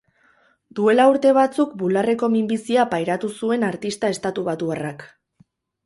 Duela urte batzuk bularreko minbizia pairatu zuen artista estatubatuarrak.